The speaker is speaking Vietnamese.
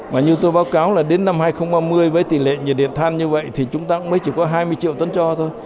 mà như tôi báo cáo là đến năm hai nghìn ba mươi với tỷ lệ nhiệt điện than như vậy thì chúng ta mới chỉ có hai mươi triệu tấn cho thôi